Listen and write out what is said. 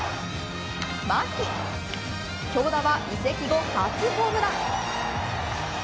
牧、京田は移籍後初ホームラン。